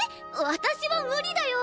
私は無理だよ。